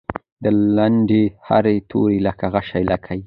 د لنډۍ هر توری لکه غشی لګي.